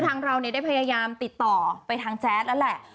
ทางเราได้พยายามติดต่อทางแจ๊สเราแหละ